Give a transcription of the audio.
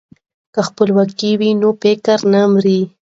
که خپلواکي وي نو فکر نه مري.